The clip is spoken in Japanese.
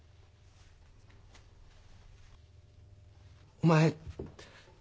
お前